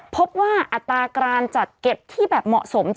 พบว่าอัตราการจัดเก็บที่แบบเหมาะสม